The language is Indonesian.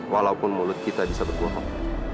walaupun mulut kita bisa berbohong